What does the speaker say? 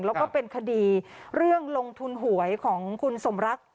แล้วก็เป็นคดีเรื่องลงทุนหวยของคุณสมรัก